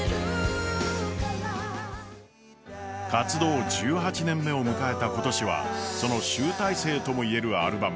活動１８年目を迎えた今年はその集大成とも言えるアルバム